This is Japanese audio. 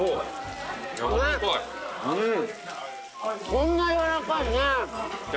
こんな柔らかいね。